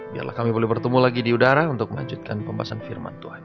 biarlah kami boleh bertemu lagi di udara untuk melanjutkan pembahasan firman tuhan